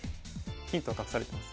ヒント隠されてます。